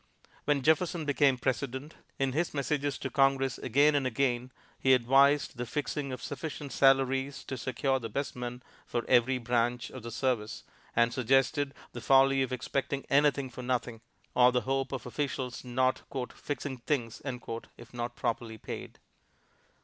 When Jefferson became President, in his messages to Congress again and again he advised the fixing of sufficient salaries to secure the best men for every branch of the service, and suggested the folly of expecting anything for nothing, or the hope of officials not "fixing things" if not properly paid.